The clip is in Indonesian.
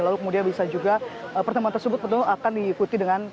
lalu kemudian bisa juga pertemuan tersebut tentu akan diikuti dengan